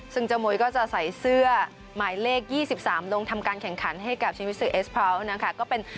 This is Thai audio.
ซึ่งเจ้ามุยก็จะใส่เสื้อหมายเลข๒๓ลงทำการแข่งขันให้กับชีวิตสื่อเอสพร้าวนะคะ